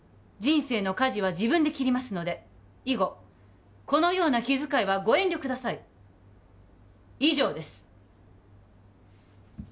人生の舵は自分で切りますので以後このような気遣いはご遠慮ください以上です